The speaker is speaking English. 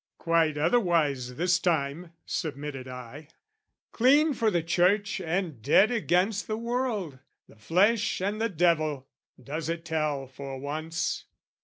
" Quite otherwise this time," submitted I; "Clean for the Church and dead against the world, "The flesh and the devil, does it tell for once."